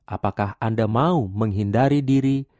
apakah anda mau menghindari diri